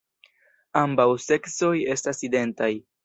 Ambaŭ seksoj estas identaj.